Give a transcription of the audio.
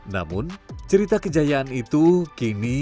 namun cerita kejayaan itu kini hanya berlaku di jawa tengah